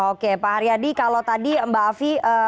oke pak haryadi kalau tadi mbak afi